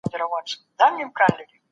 فرد ځان په چاپېريال کي بې اغېزې ويني.